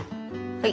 はい！